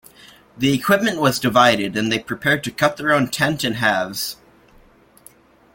The equipment was divided, and they prepared to cut their one tent in halves.